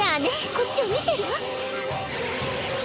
こっちを見てるわ。